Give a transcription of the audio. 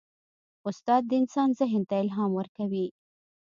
استاد د انسان ذهن ته الهام ورکوي.